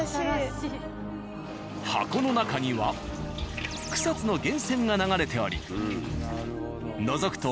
箱の中には草津の源泉が流れておりのぞくと。